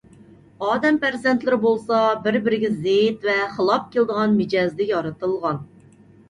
ئادەم پەرزەنتلىرى بولسا بىر - بىرىگە زىت ۋە خىلاپ كېلىدىغان مىجەزدە يارىتىلغان.